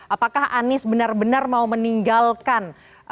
apakah anies benar benar mau meninggalkan